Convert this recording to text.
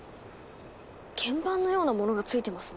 鍵盤のようなものがついてますね。